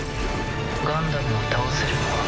ガンダムを倒せるのは。